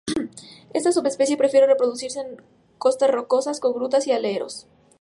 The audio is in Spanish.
Esta subespecie prefiere reproducirse en costas rocosas, con grutas, y aleros.